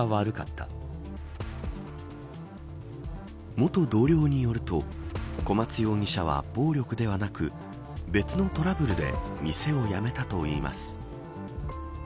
元同僚によると小松容疑者は、暴力ではなく別のトラブルで店を辞めたといいます。